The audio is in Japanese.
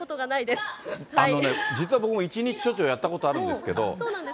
あのね、実は僕も一日署長、やったことあるんですけれども。